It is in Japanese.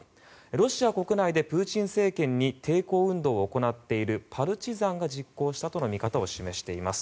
ロシア国内でプーチン政権に抵抗運動を行っているパルチザンが実行したとの見方を示しています。